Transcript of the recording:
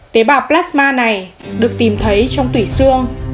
tế bào plasma này được tìm thấy trong tủy xương